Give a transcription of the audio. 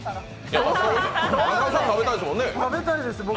食べたいです、僕。